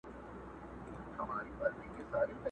چي كوڅې يې وې ښايستې په پېغلو حورو!!